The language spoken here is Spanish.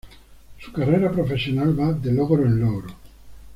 Su carrera profesional va de logro en logro.